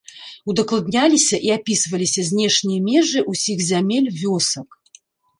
Удакладняліся і апісваліся знешнія межы ўсіх зямель вёсак.